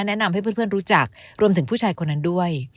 แนะนำให้เพื่อนรู้จักรวมถึงผู้ชายคนนั้นด้วย